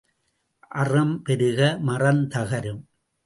அறம் பெருக மறம் தகரும்.